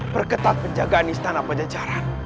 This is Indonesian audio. perketat penjagaan istana pencejaran